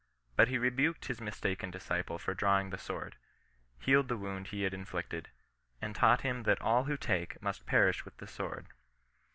But he rebuked his mistaken dis ciple for drawing the sword, healed the wound he had inflicted, and taught him that all who take must perish with the sword.